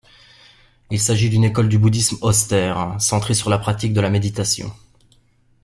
Il s'agit d'une école du bouddhisme austère, centrée sur la pratique de la méditation.